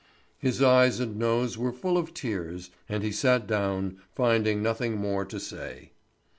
His eyes and nose were full of tears, and he sat down, finding nothing more to say.